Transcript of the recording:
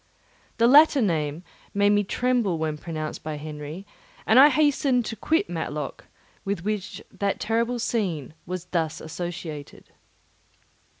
The latter name made me tremble when pronounced by Henry, and I hastened to quit Matlock, with which that terrible scene was thus associated.